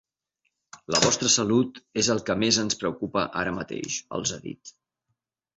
“La vostra salut és el que més ens preocupa ara mateix”, els ha dit.